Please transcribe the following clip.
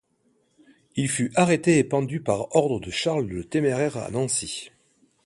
Il fut arrêté et pendu par ordre de Charles le Téméraire à Nancy.